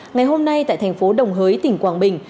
ngày hôm nay tại thành phố đồng hới tỉnh quảng bình